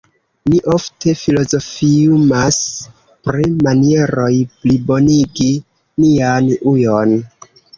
Ni ofte filozofiumas pri manieroj plibonigi nian ujon.